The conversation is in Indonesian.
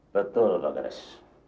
betul pak gares